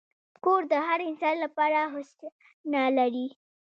کور د هر انسان لپاره هوساینه لري.